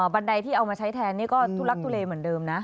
บันไดที่เอามาใช้แทนนี่ก็ทุลักทุเลเหมือนเดิมนะ